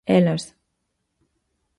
Elas.